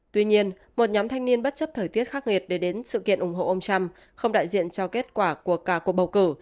tuy nhiên một nhóm thanh niên bất chấp thời tiết khắc nghiệt để đến sự kiện ủng hộ ông trump không đại diện cho kết quả của cả cuộc bầu cử